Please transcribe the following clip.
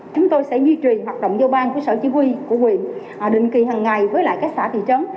chúng tôi sẽ duy trì hoạt động giao ban của sở chỉ huy của huyện định kỳ hằng ngày với lại các xã thị trấn